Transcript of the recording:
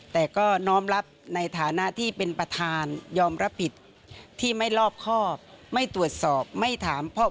แต่มันก็มีคนเปรียบเทียบกับต่างประเทศเนาะ